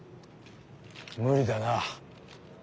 無理だな。